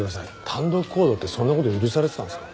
単独行動ってそんな事許されてたんですか？